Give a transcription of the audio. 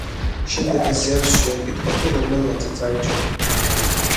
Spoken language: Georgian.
შემდეგ ზევსს შეეკითხა, თუ რომელ ნაწილს აირჩევდა.